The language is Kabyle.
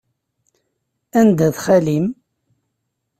Anda-t xali-m?